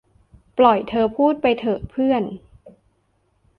ปล่อยเธอพูดไปเถอะ เพื่อน